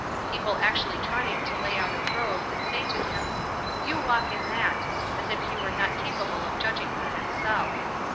People actually trying to lay out a road, and say to him, "You walk in that," as if he were not capable of judging for himself.